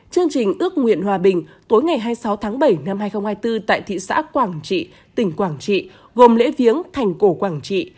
chương trình ước nguyện hòa bình tối ngày hai mươi sáu tháng bảy năm hai nghìn hai mươi bốn tại thị xã quảng trị tỉnh quảng trị